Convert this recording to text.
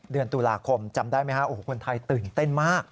เดือนตุลาคมจำได้ไหมคะคุณไทยตื่นเต้นมาก